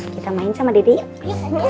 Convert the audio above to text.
kita main sama dede biasanya